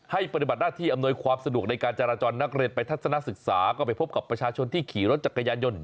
ปฏิบัติหน้าที่อำนวยความสะดวกในการจราจรนักเรียนไปทัศนศึกษาก็ไปพบกับประชาชนที่ขี่รถจักรยานยนต์